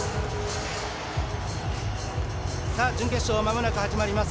準決勝、まもなく始まります。